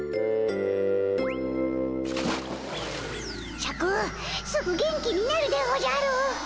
シャクすぐ元気になるでおじゃる。